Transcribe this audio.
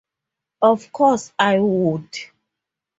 Of course I would!